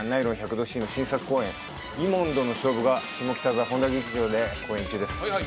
℃の新作公演「イモンドの勝負」が下北沢本多劇場で公演中です